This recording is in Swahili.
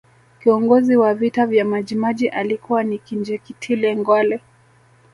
kiongozi wa vita vya majimaji alikuwa ni Kinjekitile ngwale